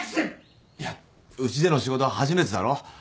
いやうちでの仕事初めてだろ？